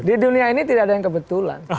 di dunia ini tidak ada yang kebetulan